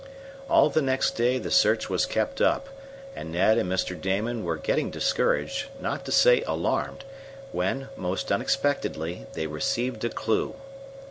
All the next day the search was kept up, and Ned and Mr. Damon were getting discouraged, not to say alarmed, when, most unexpectedly, they received a clew.